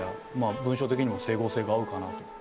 文章的にも整合性が合うかなと。